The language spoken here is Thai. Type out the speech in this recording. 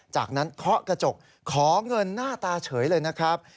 จากนั้นเคาะกระจกขอเงินหน้าตาเฉยเลยนะครับ